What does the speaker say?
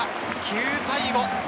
９対５。